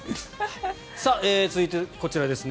続いて、こちらですね。